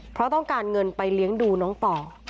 เพราะต้องการเงินไปเลี้ยงดูน้องต่อ